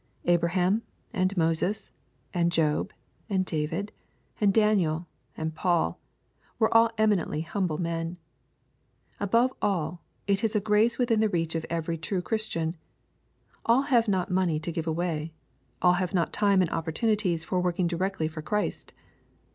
Abraham, and Moses, and Job, and David, and Daniel, and Paul, were all eminently humble men* — Above all, it is a grace within the reach of every true Christian. All have not money to give away. All have not time and opportunities for working directly for Christ.